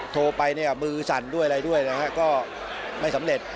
โทรไปเนี่ยมือสั่นด้วยอะไรด้วยนะฮะก็ไม่สำเร็จ